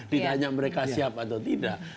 tidak hanya mereka siap atau tidak